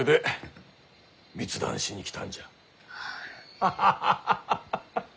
ハハハハハハッ！